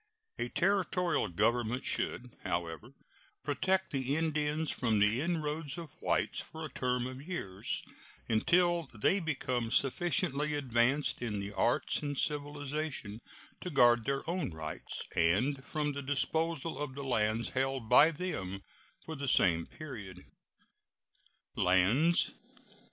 A Territorial government should, however, protect the Indians from the inroads of whites for a term of years, until they become sufficiently advanced in the arts and civilization to guard their own rights, and from the disposal of the lands held by them for the same period. LANDS.